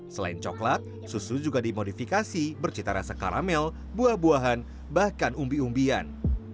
selain coklat susu juga dimodifikasi bercita rasa karamel buah buahan bahkan umbi umbian